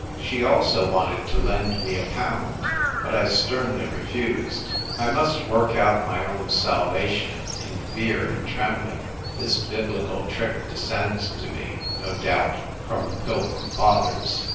She also wanted to lend me a pound. But I sternly refused. I must work out my own salvation in fear and trembling. (This Biblical trick descends to me, no doubt, from the Pilgrim Fathers.)